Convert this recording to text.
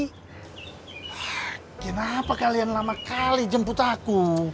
hah kenapa kalian lama kali jemput aku